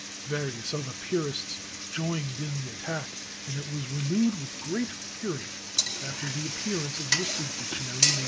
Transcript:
Various other purists joined in the attack, and it was renewed with great fury after the appearance of Worcester's dictionary, in 1846.